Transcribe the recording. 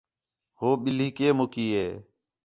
ہو ٻِلّھی کے مکی ہے